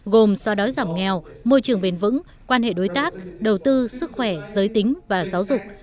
gồm so đói giảm nghèo môi trường bền vững quan hệ đối tác đầu tư sức khỏe giới tính và giáo dục